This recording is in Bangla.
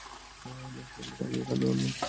না পাইলে রাগিয়া কাঁদিয়া অনর্থপাত করিত।